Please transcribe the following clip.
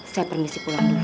saya permisi pulang dulu